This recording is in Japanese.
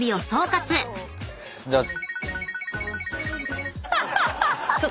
じゃあ。